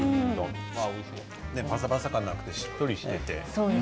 ぱさぱさ感がなくしっとりしていて。